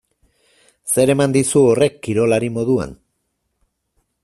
Zer eman dizu horrek kirolari moduan?